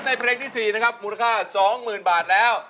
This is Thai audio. เพลงที่๔นะครับมูลค่า๒๐๐๐บาทแล้ว